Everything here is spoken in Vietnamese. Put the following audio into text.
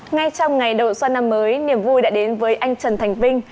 ngay trong ngày đầu xuân năm mới niềm vui đã đến với anh trần thành vinh